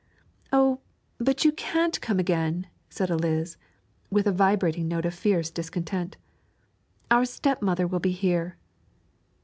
'Oh, but you can't come again,' said Eliz, with vibrating note of fierce discontent; 'our stepmother will be here.'